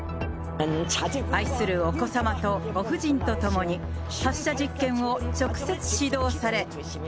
愛するお子様とご夫人と共に、発射実験を直接指導され。